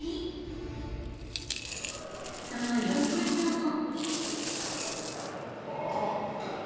［その４０秒後］